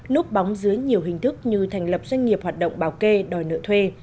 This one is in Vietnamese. núp bóng dưới nhiều hình thức như thành lập doanh nghiệp hoạt động bảo kê đòi nợ thuê